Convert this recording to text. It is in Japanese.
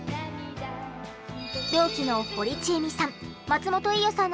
同期の堀ちえみさん